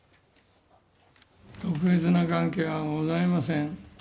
特別な関係はございません。